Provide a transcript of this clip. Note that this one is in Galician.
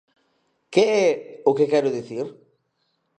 Que é o que quero dicir?